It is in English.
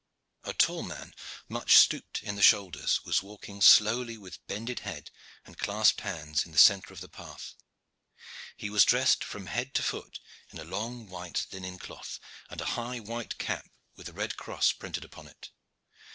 A tall man, much stooped in the shoulders, was walking slowly with bended head and clasped hands in the centre of the path. He was dressed from head to foot in a long white linen cloth, and a high white cap with a red cross printed upon it.